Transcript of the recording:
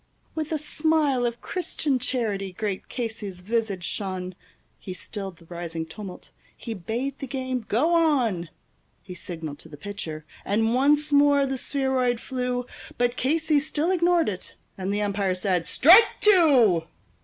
With a smile of Christian charity great Casey's visage shone; He stilled the rising tumult; he bade the game go on; He signaled to the pitcher, and once more the spheroid flew, But Casey still ignored it; and the umpire said, "Strike two."